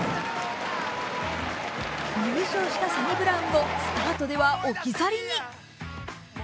優勝したサニブラウンをスタートでは置き去りに。